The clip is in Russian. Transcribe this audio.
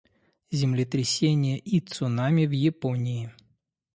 Землетрясение и цунами в Японии.